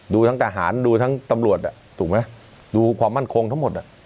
ดูทั้งทหารดูทั้งตำรวจถูกไหมดูความมั่นคงทั้งหมด